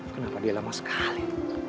kenapa dia lama sekali